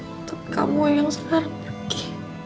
untuk kamu yang salah riki